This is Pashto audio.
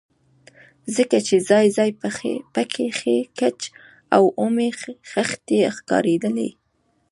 ځکه چې ځاى ځاى پکښې ګچ او اومې خښتې ښکارېدلې.